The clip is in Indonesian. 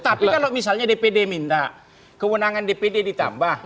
tapi kalau misalnya dpd minta kewenangan dpd ditambah